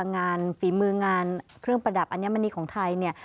งานฝีมืองานเครื่องประดับอันนี้มณีของไทย